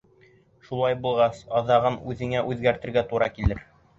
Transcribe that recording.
Шулай булғас, аҙағын үҙеңә үҙгәртергә тура килер.